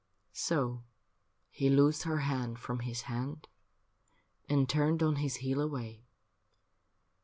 So he loosed her hand from his hand, And turned on his heel away.